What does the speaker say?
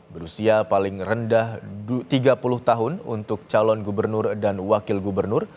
berusia paling rendah tiga puluh tahun untuk calon gubernur dan wakil gubernur